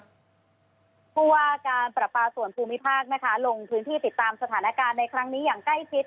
เพราะว่าการประปาส่วนภูมิภาคนะคะลงพื้นที่ติดตามสถานการณ์ในครั้งนี้อย่างใกล้ชิด